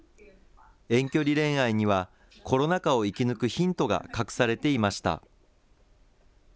遠距離恋愛にはコロナ禍を生き抜くヒントが隠されていました。